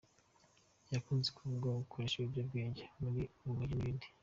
Yakunze kuvugwaho gukoresha ibiyobyabwenge birimo urumogi n’ibindi.